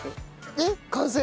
えっ？完成？